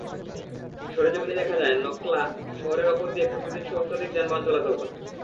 সরেজমিনে দেখা যায়, নকলা শহরের ওপর দিয়ে প্রতিদিন সহস্রাধিক যানবাহন চলাচল করে।